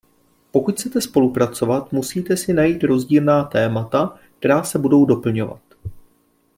Pokud chcete spolupracovat, musíte si najít rozdílná témata, která se budou doplňovat.